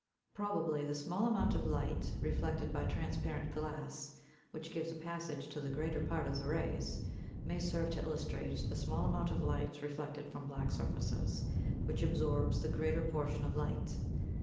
Probably the small amount of light reflected by transparent glass, which gives a passage to the greater part of the rays, may serve to illustrate the small amount of light reflected from black surfaces, which absorbs the greater portion of light.